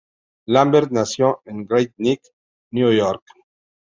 Lambert nació en Great Neck, Nueva York.